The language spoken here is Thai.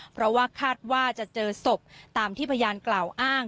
เพราะว่าคาดว่าจะเจอศพตามที่พยานกล่าวอ้าง